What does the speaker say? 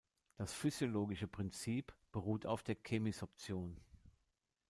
Das physiologische Prinzip beruht auf der Chemisorption.